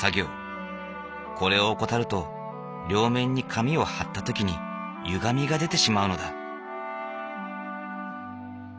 これを怠ると両面に紙をはった時にゆがみが出てしまうのだ。